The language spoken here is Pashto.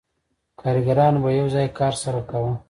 کارګرانو به یو ځای کار سره کاوه